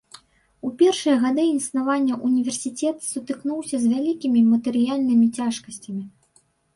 У першыя гады існавання ўніверсітэт сутыкнуўся з вялікімі матэрыяльнымі цяжкасцямі.